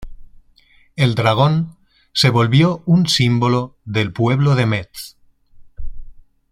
El dragón se volvió un símbolo del pueblo de Metz.